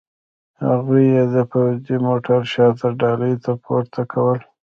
هغوی یې د پوځي موټر شاته ډالې ته پورته کول